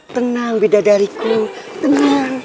tenang bidadariku tenang